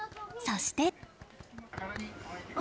そして。